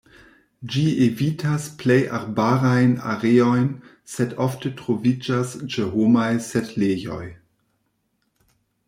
Ĝi evitas plej arbarajn areojn, sed ofte troviĝas ĉe homaj setlejoj.